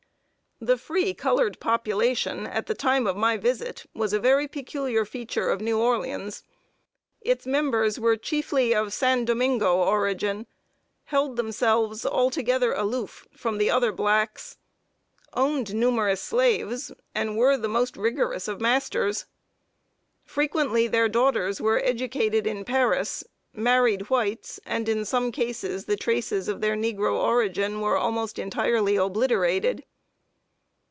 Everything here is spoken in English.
The free colored population, at the time of my visit, was a very peculiar feature of New Orleans. Its members were chiefly of San Domingo origin; held themselves altogether aloof from the other blacks, owned numerous slaves, and were the most rigorous of masters. Frequently their daughters were educated in Paris, married whites, and in some cases the traces of their negro origin were almost entirely obliterated.